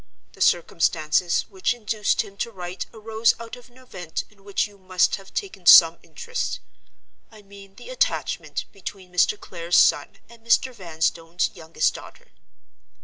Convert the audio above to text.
The circumstances which induced him to write arose out of an event in which you must have taken some interest—I mean the attachment between Mr. Clare's son and Mr. Vanstone's youngest daughter."